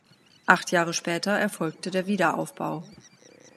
Acht Jahre später erfolgte der Wiederaufbau.